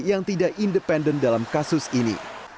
yang tidak independen dalam kasus ini